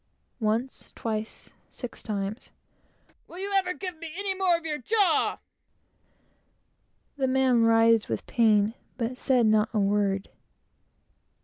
Once, twice six times. "Will you ever give me any more of your jaw?" The man writhed with pain, but said not a word.